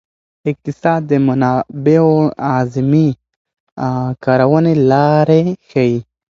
اقتصاد د منابعو اعظمي کارونې لارې ښيي.